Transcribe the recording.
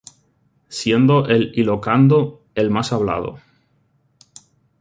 Siendo el ilocano el más hablado.